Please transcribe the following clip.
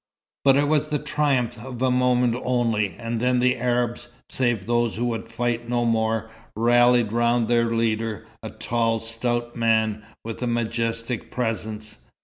But it was the triumph of a moment only, and then the Arabs save those who would fight no more rallied round their leader, a tall, stout man with a majestic presence.